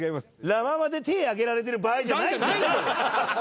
ラ・ママで手挙げられてる場合じゃないんだよね。